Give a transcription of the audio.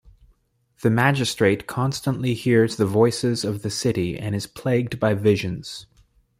The Magistrate constantly hears the voices of the city and is plagued by visions.